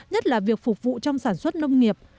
nhất là việc phục vụ trong sản xuất nông nghiệp